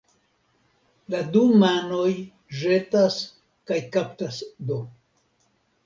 La du manoj ĵetas kaj kaptas do.